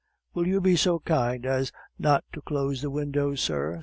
"Will you be so kind as not to close the windows, sir?"